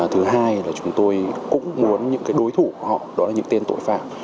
thứ hai là chúng tôi cũng muốn những đối thủ của họ đó là những tên tội phạm